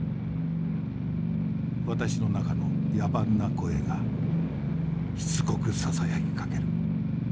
私の中の野蛮な声がしつこくささやきかける。